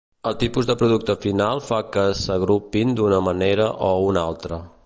El tipus de producte final fa que s'agrupin d'una manera o una altra.